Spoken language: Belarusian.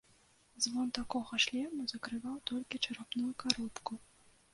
Звон такога шлему закрываў толькі чарапную каробку.